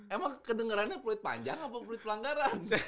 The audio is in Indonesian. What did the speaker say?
emang kedengerannya fluid panjang apa fluid pelanggaran